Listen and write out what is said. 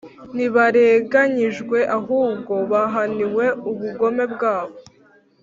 Ntibarenganyijwe, ahubwo bahaniwe ubugome bwabo,